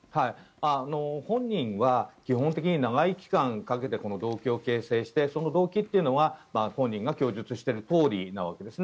本人は基本的に長い期間かけてこの動機を形成してその動機というのは本人が供述しているとおりのわけですね。